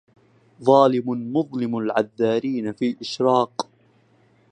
ظالم مظلم العذارين في إشراق